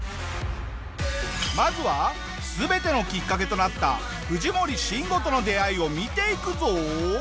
まずは全てのきっかけとなった藤森慎吾との出会いを見ていくぞ！